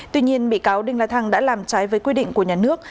tuy nhiên bị cáo đinh la thăng đã làm trái với quy định của nhà nước